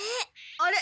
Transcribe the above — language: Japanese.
あれ？